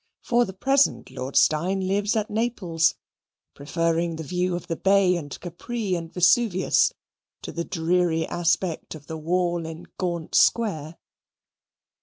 For the present Lord Steyne lives at Naples, preferring the view of the Bay and Capri and Vesuvius to the dreary aspect of the wall in Gaunt Square.